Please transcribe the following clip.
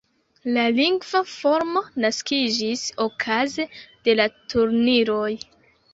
La lingva formo naskiĝis okaze de la turniroj.